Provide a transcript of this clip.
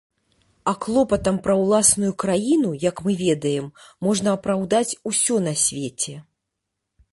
А клопатам пра ўласную краіну, як мы ведаем, можна апраўдаць усё на свеце.